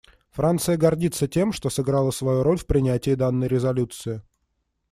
Франция гордится тем, что сыграла свою роль в принятии данной резолюции.